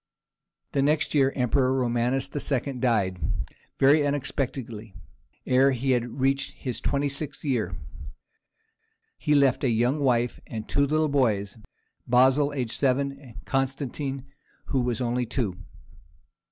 The next year the emperor Romanus II. died, very unexpectedly, ere he had reached his twenty sixth year. He left a young wife, and two little boys, Basil, aged seven, and Constantine, who was only two.